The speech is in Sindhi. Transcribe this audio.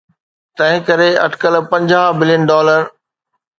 تنهنڪري اٽڪل پنجاهه بلين ڊالر.